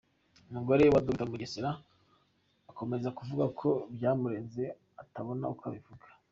Umugore wa Dr Mugesera akomeza avuga ko byamurenze atabona uko abivuga.